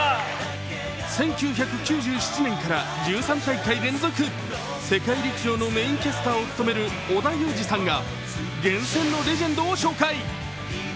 １９９７年から１３大会連続世界陸上のメインキャスターを務める織田裕二さんが厳選のレジェンドを紹介。